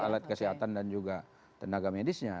alat kesehatan dan juga tenaga medisnya